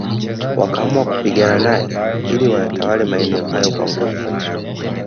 Wakaamua kupigana nae ili wayatawale maeneo hayo kwa nguvu